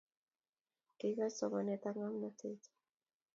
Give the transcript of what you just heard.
Kiikoch somane ak ngomnotet